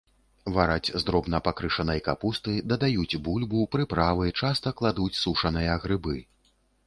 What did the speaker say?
Вараць з дробна пакрышанай капусты, дадаюць бульбу, прыправы, часта кладуць сушаныя грыбы.